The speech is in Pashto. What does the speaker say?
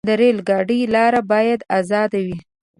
د ریل ګاډي لارې باید آزادې وي.